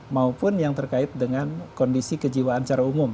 maupun yang terkait dengan kondisi kejiwaan secara umum